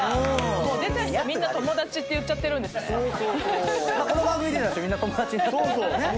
もう出た人みんな友達って言っちゃってるんですね。